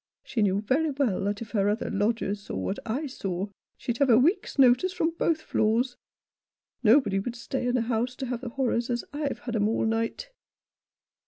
She knew very well that if her other lodgers saw what I saw, she'd have a week's notice from both floors. Nobody would stay in the house to have the horrors as I've had 'em all night."